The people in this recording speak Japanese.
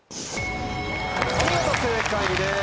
お見事正解です。